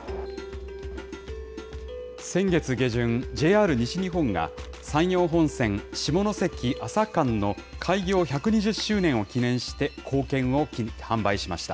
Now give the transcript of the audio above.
先月下旬、ＪＲ西日本が、山陽本線下関・厚狭間の開業１２０周年を記念して硬券を販売しました。